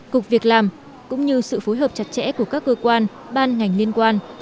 cục việc làm cũng như sự phối hợp chặt chẽ của các cơ quan ban ngành liên quan